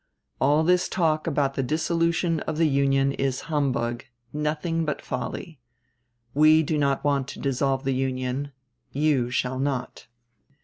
All this talk about the dissolution of the Union is humbug, nothing but folly. We do not want to dissolve the Union; you shall not.